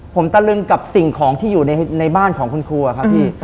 ผมตะลึงกับสิ่งของที่อยู่ในบ้านของคุณครูครับพี่